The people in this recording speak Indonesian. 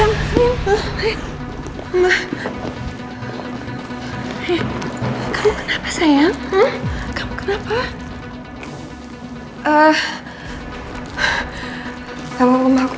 eh kamu kenapa sayang kamu kenapa